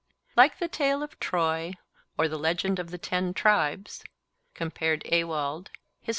Like the tale of Troy, or the legend of the Ten Tribes (Ewald, Hist.